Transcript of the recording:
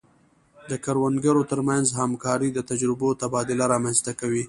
د کروندګرو ترمنځ همکاري د تجربو تبادله رامنځته کوي.